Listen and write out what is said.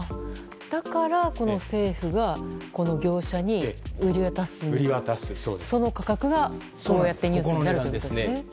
だから、政府が業者に売り渡すその価格が、こうやってニュースになるってことですね。